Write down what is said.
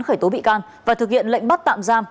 khởi tố bị can và thực hiện lệnh bắt tạm giam